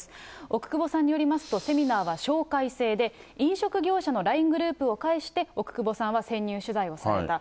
奥窪さんによりますと、セミナーは紹介制で、飲食業者のＬＩＮＥグループを介して、奥窪さんは潜入取材をされた。